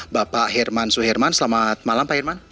bapak herman suherman selamat malam pak herman